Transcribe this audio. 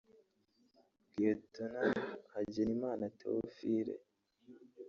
Lt Hagenimana Theophile